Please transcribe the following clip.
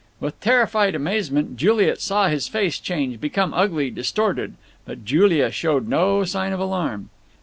With terrified amazement Juliet saw his face change, become ugly, distorted. But Julia showed no sign of alarm.